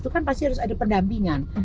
itu kan pasti harus ada pendampingan